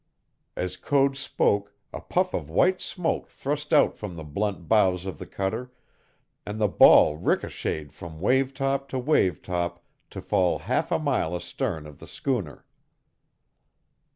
As Code spoke a puff of white smoke thrust out from the blunt bows of the cutter, and the ball ricochetted from wave top to wave top to fall half a mile astern of the schooner.